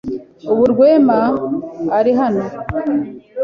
Ubu Rwema ari hano?